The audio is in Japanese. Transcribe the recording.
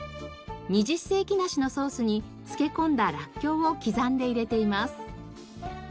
二十世紀梨のソースに漬け込んだらっきょうを刻んで入れています。